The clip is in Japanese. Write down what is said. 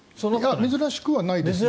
珍しくはないです。